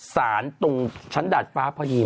ศาลตรงชั้นดาดฟ้าพะยีนะ